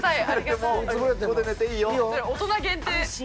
大人限定。